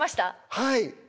はい。